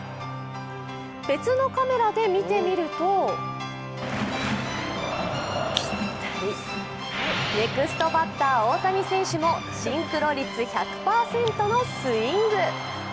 別のカメラで見てみるとネクストバッター・大谷選手もシンクロ率１００％のスイング。